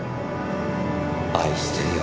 愛してるよ。